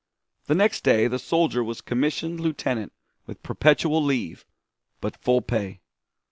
The next day the soldier was commissioned lieutenant with perpetual leave, but full pay.